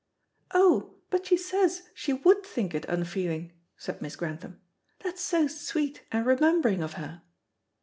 "Oh, but she says she would think it unfeeling," said Miss Grantham. "That's so sweet and remembering of her."